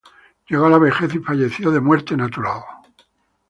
Llegó a la vejez y falleció de muerte natural.